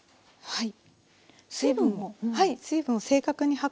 はい。